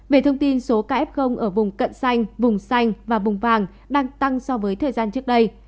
về thông tin số kf ở vùng cận xanh vùng xanh và bùng vàng đang tăng so với thời gian trước đây